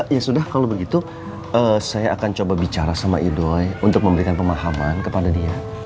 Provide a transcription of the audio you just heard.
ya sudah kalau begitu saya akan coba bicara sama idoy untuk memberikan pemahaman kepada dia